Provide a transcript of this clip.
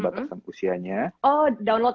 batasan usianya oh download